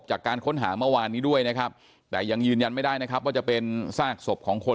จากการค้นหาเมื่อวานนี้ด้วยนะครับแต่ยังยืนยันไม่ได้นะครับว่าจะเป็นซากศพของคน